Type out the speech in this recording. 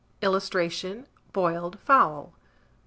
[Illustration: BOILED FOWL.